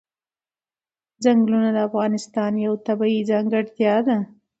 چنګلونه د افغانستان یوه طبیعي ځانګړتیا ده.